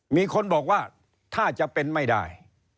มีคนบอกว่าถ้าจะเป็นไม่ได้